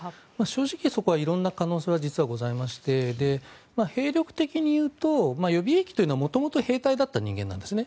正直そこは色んな可能性は実はございまして兵力的に言うと予備役というのは元々、兵隊だった人間なんですね。